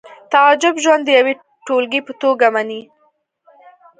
تعجب ژوند د یوې ټولګې په توګه مني